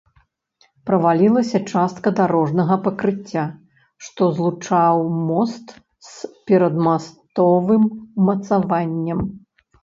Правалілася частка дарожнага пакрыцця, што злучаў мост з перадмастовым умацаваннем.